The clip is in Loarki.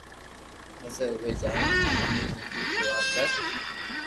پسي اووي جائين اوني ڪيڌو تو آ ڪر